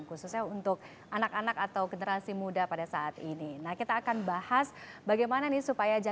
khususnya untuk anak anak atau generasi muda pada saat ini nah kita akan bahas bagaimana nih supaya jangan